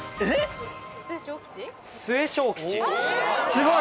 すごい！